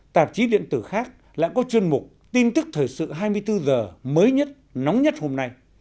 tạp chí điện tử khác lại có chuyên mục tin tức thời sự hai mươi bốn h mới nhất nóng nhất hôm nay